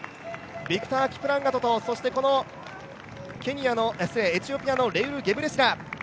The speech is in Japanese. ビクター・キプランガトとそしてこの、エチオピアのレウル・ゲブレシラセ。